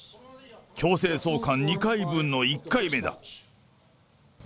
強制送還２回分の１回目だ。